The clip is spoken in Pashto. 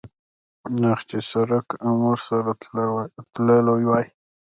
اخ چې سرګي ام ورسره تلی وای.